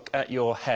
はい。